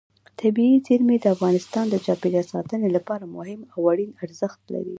طبیعي زیرمې د افغانستان د چاپیریال ساتنې لپاره ډېر مهم او اړین ارزښت لري.